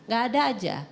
gak ada aja